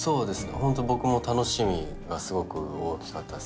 ホント僕も楽しみがすごく大きかったです